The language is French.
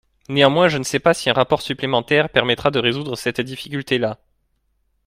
Néanmoins, je ne sais pas si un rapport supplémentaire permettra de résoudre cette difficulté-là.